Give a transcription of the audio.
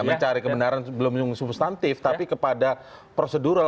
mencari kebenaran belum substantif tapi kepada prosedural